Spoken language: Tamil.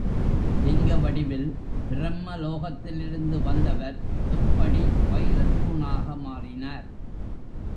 லிங்க வடிவில் பிரம்ம லோகத்திலிருந்து வந்தவர் எப்படி வைரத்தூணாக மாறினார்?